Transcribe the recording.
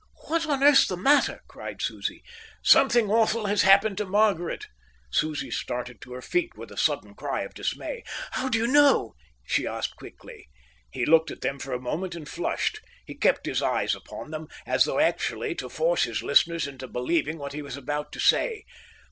"What on earth's the matter?" cried Susie. "Something awful has happened to Margaret." Susie started to her feet with a sudden cry of dismay. "How do you know?" she asked quickly. He looked at them for a moment and flushed. He kept his eyes upon them, as though actually to force his listeners into believing what he was about to say.